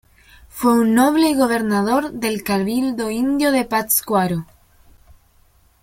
Fue un noble y gobernador del cabildo indio de Pátzcuaro.